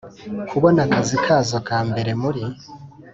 kubona akazi kazo ka mbere muri